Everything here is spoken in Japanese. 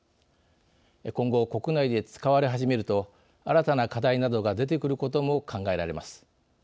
今後国内で使われ始めると新たな課題などが出てくることも考えられます。